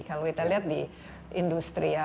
kalau kita lihat di industri ya